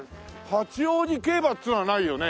八王子競馬ってのはないよね？